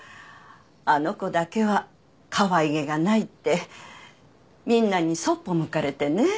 あの子だけはかわいげがないってみんなにそっぽ向かれてね。